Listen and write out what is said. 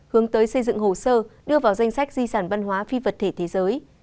hướng tới xây dựng hồ sơ đưa vào danh sách di sản văn hóa phi vật thể thế giới